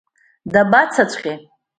Дабацаҵәҟьеи?